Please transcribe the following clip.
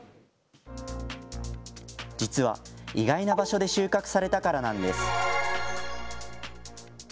実は、意外な場所で収穫されたからなんです。